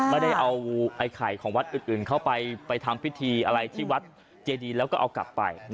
ไม่ได้เอาไอ้ไข่ของวัดอื่นเข้าไปทำพิธีอะไรที่วัดเจดีแล้วก็เอากลับไป